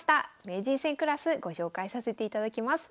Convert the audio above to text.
名人戦クラスご紹介させていただきます。